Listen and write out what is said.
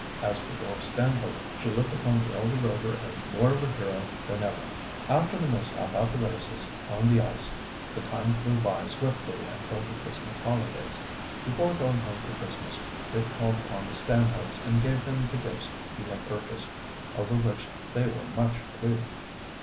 As for Dora Stanhope, she looked upon the elder Rover as more of a hero than ever. After the mishap at the races on the ice the time flew by swiftly until the Christmas holidays. Before going home for Christmas Dick called upon the Stanhopes and gave them the gifts he had purchased, over which they were much pleased.